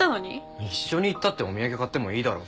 一緒に行ったってお土産買ってもいいだろ。